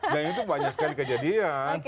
itu banyak sekali kejadian